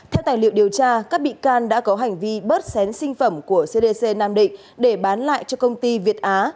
theo tài liệu điều tra các bị can đã có hành vi bớt xén sinh phẩm của cdc nam định để bán lại cho công ty việt á